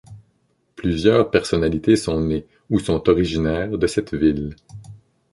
Plusieurs personnalités sont nées ou sont originaires de cette ville.